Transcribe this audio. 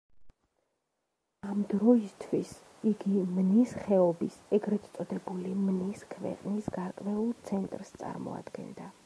ამ დროისთვის იგი მნის ხეობის, ეგრეთ წოდებული „მნის ქვეყნის“ გარკვეულ ცენტრს წარმოადგენდა.